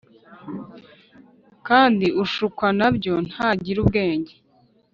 kandi ushukwa na byo ntagira ubwenge